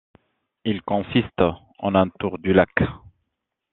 Il consiste en un tour du lac.